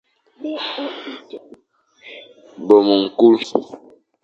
Bôm ñkul.